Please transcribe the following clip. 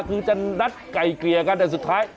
คือจะนัดไก่เกลี่ยกันแต่สุดท้าย